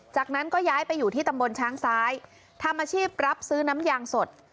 จากนั้นก็ย้ายไปอยู่ที่ตำบลช้างซ้ายทำอาชีพรับซื้อน้ำยางสด